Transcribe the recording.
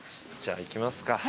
じゃあいきますか。